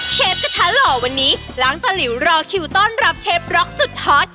กระทะหล่อวันนี้ล้างตะหลิวรอคิวต้อนรับเชฟร็อกสุดฮอต